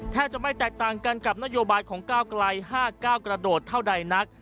แทบจะไม่แตกต่างกันกับนโยบายของก้าวไกล๕๙กระโดดเท่าใดนัก